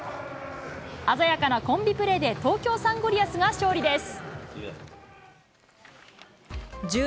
鮮やかなコンビプレーで、東京サンゴリアスが勝利です。